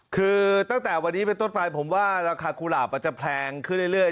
คือตั้งแต่วันนี้เป็นต้นไปผมว่าราคากุหลาบอาจจะแพงขึ้นเรื่อย